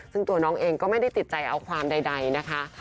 ซึ่งตัวน้องเองก็ไม่ได้ติดใจเอาความใดนะคะ